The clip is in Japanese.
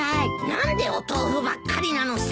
何でお豆腐ばっかりなのさ！